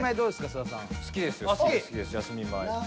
菅田さん。